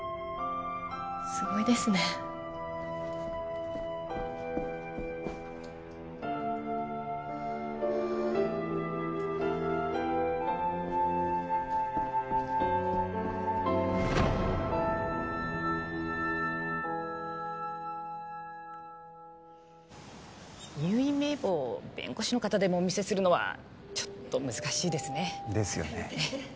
すごいですね入院名簿を弁護士でもお見せするのはちょっと難しいですねですよね